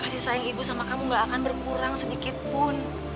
kasih sayang ibu sama kamu gak akan berkurang sedikitpun